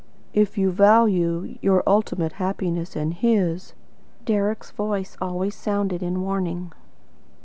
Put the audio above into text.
"IF YOU VALUE YOUR ULTIMATE HAPPINESS AND HIS," Deryck's voice always sounded in warning.